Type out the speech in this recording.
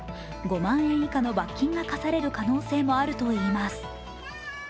５万円以下の罰金が科される可能性があるといいます。